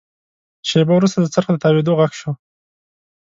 شېبه وروسته د څرخ د تاوېدو غږ شو.